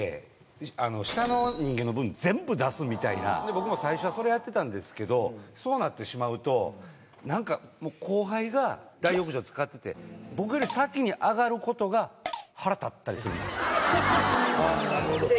僕も最初はそれやってたんですけどそうなってしまうと後輩が大浴場漬かってて僕より先に上がることが腹立ったりするんですよ。